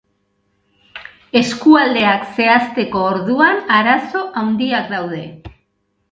Eskualdeak zehazteko orduan arazo handiak daude.